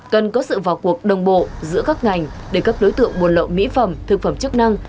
cần có sự vào cuộc đồng bộ giữa các ngành để các đối tượng buôn lậu mỹ phẩm thực phẩm chức năng